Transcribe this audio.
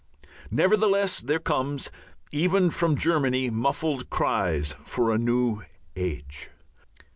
Nevertheless there comes even from Germany muffled cries for a new age.